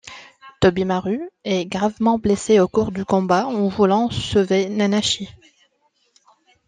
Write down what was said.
Tobimaru est gravement blessé au cours du combat en voulant sauver Nanashi.